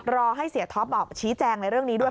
รอให้เสียท็อปชี้แจงในเรื่องนี้ด้วย